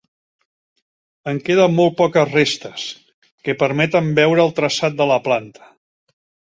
En queden molt poques restes, que permeten veure el traçat de la planta.